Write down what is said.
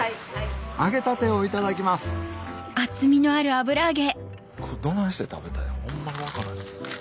揚げたてをいただきますどないして食べたらええの？